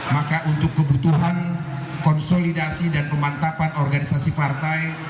maka untuk kebutuhan konsolidasi dan pemantapan organisasi partai